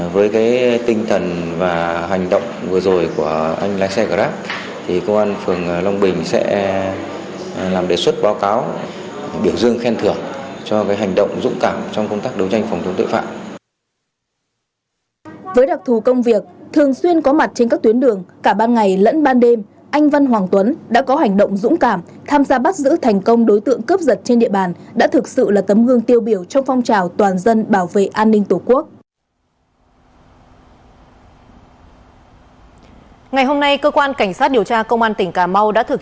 với cái tinh thần và hành động vừa rồi của anh lái xe grab thì công an phường long bình sẽ làm đề xuất báo cáo biểu dương khen thưởng cho cái hành động dũng cảm trong công tác đấu tranh phòng chống tội phạm